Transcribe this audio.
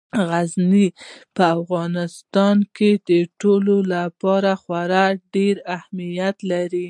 غزني په افغانستان کې د ټولو لپاره خورا ډېر اهمیت لري.